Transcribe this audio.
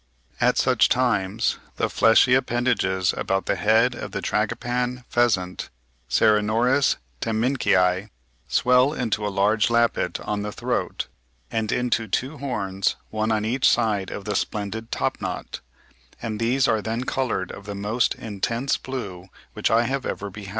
At such times the fleshy appendages about the head of the male Tragopan pheasant (Ceriornis Temminckii) swell into a large lappet on the throat and into two horns, one on each side of the splendid top knot; and these are then coloured of the most intense blue which I have ever beheld.